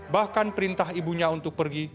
bahkan perintah ibunya untuk pergi